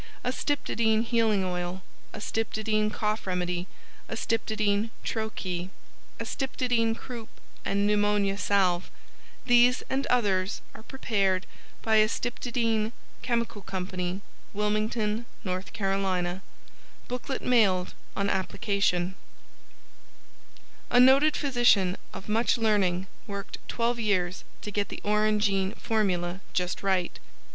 Astyptodyne Healing Oil, Astyptodyne Cough Remedy, Astyptodyne "Tro Ke," Astyptodyne Croup and Pneumonia Salve. These and others, are prepared by Astyptodyne Chemical Company WILMINGTON, N. C. Booklet mailed on application A Noted Physician of Much Learning Worked Twelve Years to Get the ORANGEINE Formula just right.